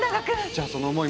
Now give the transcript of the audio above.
じゃあその思い